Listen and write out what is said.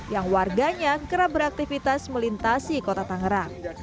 yang warganya kerap beraktivitas melintasi kota tangerang